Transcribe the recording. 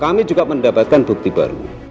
kami juga mendapatkan bukti baru